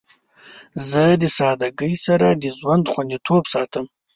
زه د سادگی سره د ژوند خوندیتوب ساتم.